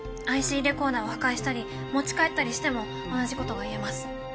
ＩＣレコーダーを破壊したり持ち帰ったりしても同じことが言えます。